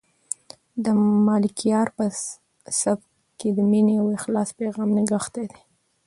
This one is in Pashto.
د ملکیار په سبک کې د مینې او اخلاص پیغام نغښتی دی.